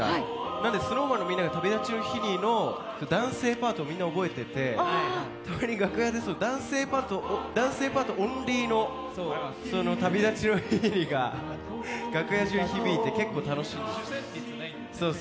なので、ＳｎｏｗＭａｎのみんなが「旅立ちの日に」の男性パートをみんな覚えていて、男性パートオンリーの「旅立ちの日に」が楽屋中に響いて結構、楽しかったです。